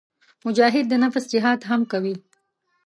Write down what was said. مجاهد د نفس جهاد هم کوي.